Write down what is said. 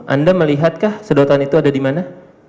anda melihatkah sedotan itu ada di mana